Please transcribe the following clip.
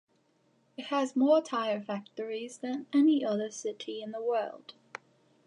It has more tire factories than any other city in the world.